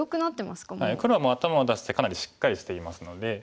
黒はもう頭を出してかなりしっかりしていますので。